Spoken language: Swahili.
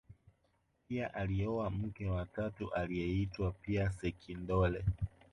pia alioa mke wa tatu aliyeitwa pia sekindole